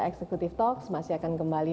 eksekutif talks masih akan kembali